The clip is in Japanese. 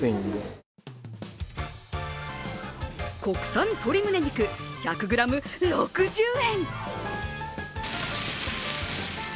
国産鶏むね肉、１００ｇ６０円。